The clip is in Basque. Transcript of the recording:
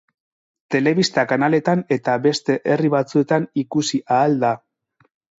Telebista- kanaletan eta beste herri batzuetan ikusi ahal da.